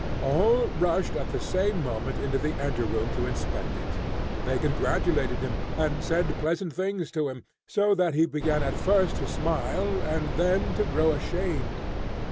All rushed at the same moment into the ante room to inspect it. They congratulated him, and said pleasant things to him, so that he began at first to smile, and then to grow ashamed.